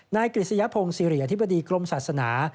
กฤษยพงศิริอธิบดีกรมศาสนา